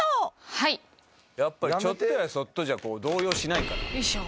はいやっぱりちょっとやそっとじゃ動揺しないからよいしょ